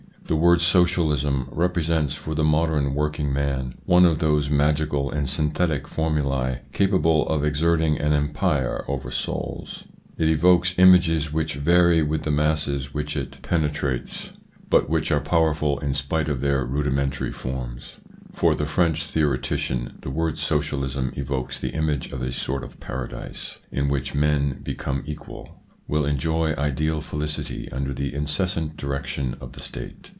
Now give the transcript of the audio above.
The word Socialism represents for the modern working man one of those magical and synthetic formulae capable of exerting an empire over souls. It evokes images which vary with the masses which it i8o THE PSYCHOLOGY OF PEOPLES: penetrates, but which are powerful in spite of their rudimentary forms. For the French theoretician the word Socialism evokes the image of a sort of Paradise, in which men, become equal, will enjoy ideal felicity under the incessant direction of the State.